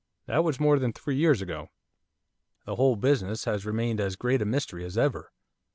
That was more than three years ago. The whole business has remained as great a mystery as ever.